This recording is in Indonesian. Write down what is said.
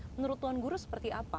menurut tuan guru seperti apa